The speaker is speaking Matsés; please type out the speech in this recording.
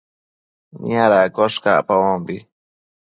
Niadaccosh cacpabombi